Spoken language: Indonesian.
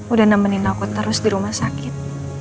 udah nemenin aku terus di rumah sakit